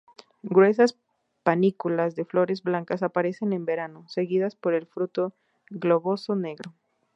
Gruesas panículas de flores blancas aparecen en verano, seguidas por el fruto globoso negro.